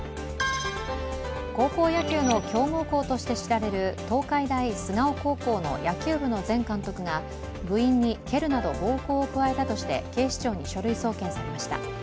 高校野球の強豪校として知られる東海大菅生高校の野球部の前監督が部員に蹴るなど暴行を加えたとして警視庁に書類送検されました。